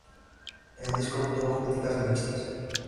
El disco obtuvo críticas mixtas.